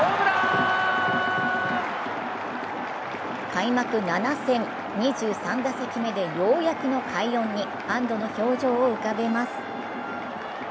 開幕７戦・２３打席目で、ようやく快音に安どの表情を浮かべます。